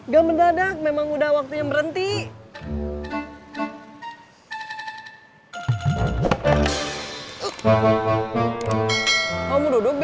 jangan gitu dong